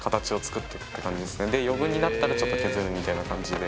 で余分になったらちょっと削るみたいな感じで。